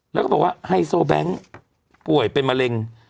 แล้วก็บอกว่าไฮโซแบงค์ป่วยเป็นมะเร็ง